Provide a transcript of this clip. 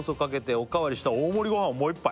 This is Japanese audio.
「おかわりした大盛りごはんをもう１杯」